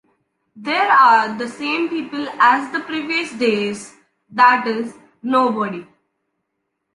There are the same people as the previous days, that is, nobody.